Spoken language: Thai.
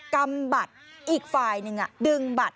กำบัตรอีกฝ่ายหนึ่งดึงบัตร